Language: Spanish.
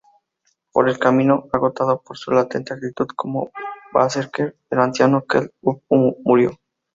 Por el camino, agotado por su latente actitud como "berserker", el anciano Keld-úlfr murió.